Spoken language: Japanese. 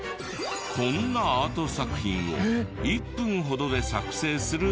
こんなアート作品を１分ほどで作成するＡＩアプリも。